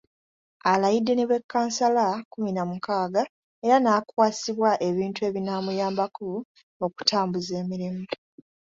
Alayidde ne bakkansala kkumi na mukaaga era n’akwasibwa ebintu ebinaamuyambako okutambuza emirimu.